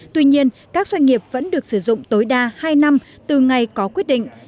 tuy nhiên các doanh nghiệp vẫn được sử dụng tối đa hai năm từ ngày có quyết định